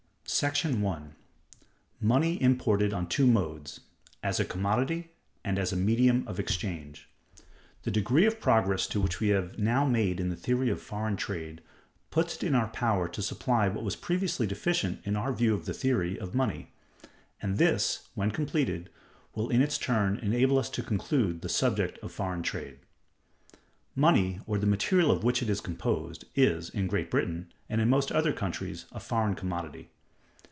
§ 1. Money imported on two modes; as a Commodity, and as a medium of Exchange. The degree of progress which we have now made in the theory of foreign trade puts it in our power to supply what was previously deficient in our view of the theory of money; and this, when completed, will in its turn enable us to conclude the subject of foreign trade. Money, or the material of which it is composed, is, in Great Britain, and in most other countries, a foreign commodity.